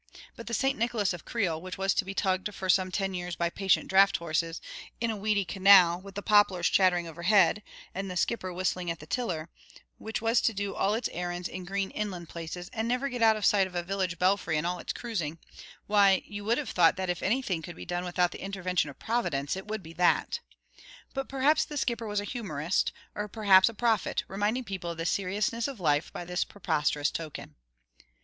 But the Saint Nicolas of Creil, which was to be tugged for some ten years by patient draught horses, in a weedy canal, with the poplars chattering overhead, and the skipper whistling at the tiller; which was to do all its errands in green inland places, and never get out of sight of a village belfry in all its cruising; why, you would have thought if anything could be done without the intervention of Providence, it would be that! But perhaps the skipper was a humorist: or perhaps a prophet, reminding people of the seriousness of life by this preposterous token.